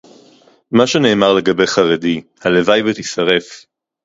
מה שנאמר לגבי חרדי: הלוואי ותישרף